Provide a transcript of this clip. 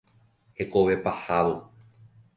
Hekove pahávo.